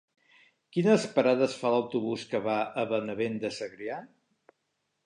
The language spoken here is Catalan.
Quines parades fa l'autobús que va a Benavent de Segrià?